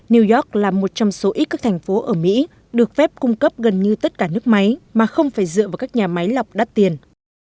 new york là một trong số ít các thành phố ở mỹ được phép cung cấp gần như tất cả nước máy mà không phải dựa vào các nhà máy lọc đắt tiền